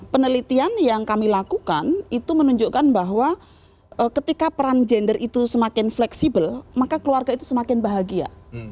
penelitian yang kami lakukan itu menunjukkan bahwa ketika peran gender itu semakin fleksibel maka keluarga itu semakin bahagia